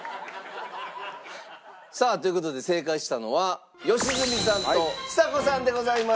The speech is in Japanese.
さあという事で正解したのは良純さんとちさ子さんでございます。